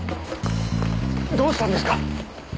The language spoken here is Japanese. どうしたんですか？